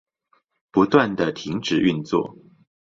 不斷的停止運作